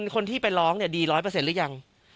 คนที่ไปร้องดี๑๐๐หรือยัง